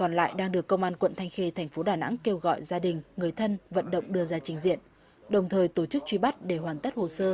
còn lại đang được công an quận thanh khê thành phố đà nẵng kêu gọi gia đình người thân vận động đưa ra trình diện đồng thời tổ chức truy bắt để hoàn tất hồ sơ xử lý theo luật định